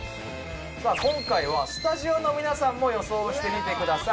さあ今回はスタジオの皆さんも予想してみてください